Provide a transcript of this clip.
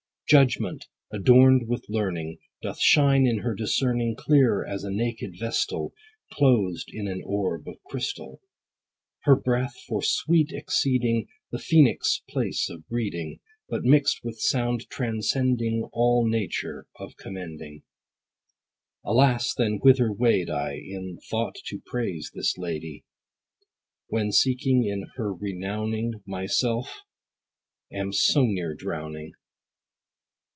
Judgment, adorn'd with learning, Doth shine in her discerning, Clear as a naked vestal Closed in an orb of crystal. Her breath for sweet exceeding The phoenix' place of breeding, But mix'd with sound, transcending All nature of commending. Alas then whither wade I In thought to praise this lady, When seeking her renowning My self am so near drowning?